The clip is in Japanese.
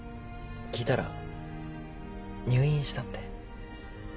聞いたら入院したって。